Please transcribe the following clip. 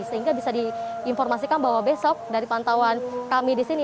sehingga bisa diinformasikan bahwa besok dari pantauan kami di sini